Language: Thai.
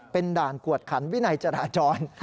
เป็นด่านกวดขันวินัยจราจร